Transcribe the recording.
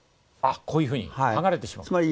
あっこういうふうに剥がれてしまう。